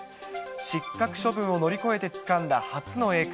失格処分を乗り越えてつかんだ初の栄冠。